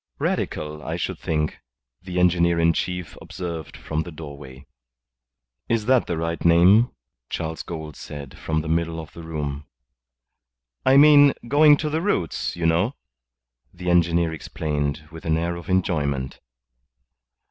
"Radical, I should think," the engineer in chief observed from the doorway. "Is that the right name?" Charles Gould said, from the middle of the room. "I mean, going to the roots, you know," the engineer explained, with an air of enjoyment.